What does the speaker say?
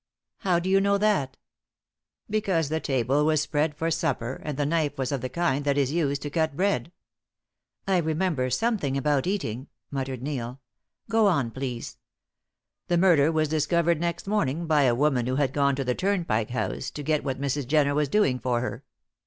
"How do you know that?" "Because the table was spread for supper, and the knife was of the kind that is used to cut bread." "I remember something about eating," muttered Neil. "Go, on, please." "The murder was discovered next morning by a woman who had gone to the Turnpike House to get Mrs. Jenner was doing for her.